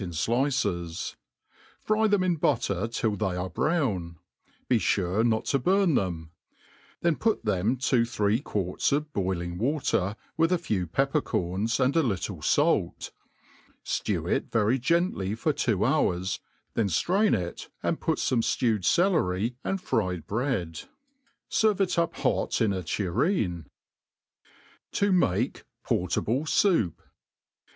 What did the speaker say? in ilices; fry them them in butter till they are brown ; be Aire not to burn them ; then put them to three quarts of boiling water, with a few pepper corns, and a little fait; ftew it very gently for two hours, then ftrain it», and put fome ftewed celery and fried bread. Serve it up hot in a tureen. To make PortahU Souf.